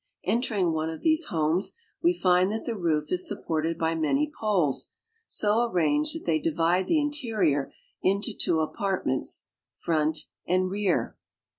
Entering one of these homes, we find that the roof is nipported by many poles, so arranged that they divide the aiterior into two apartments, — front and rear.